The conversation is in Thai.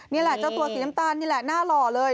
นี่แหละเจ้าตัวสีน้ำตาลนี่แหละหน้าหล่อเลย